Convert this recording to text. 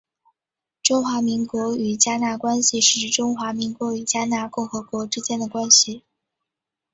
中华民国与迦纳关系是指中华民国与迦纳共和国之间的关系。